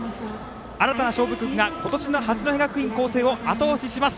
新たな勝負曲が今年の八戸学院光星をあと押しします。